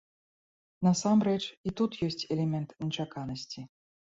Насамрэч, і тут ёсць элемент нечаканасці.